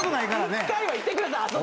１回は行ってください。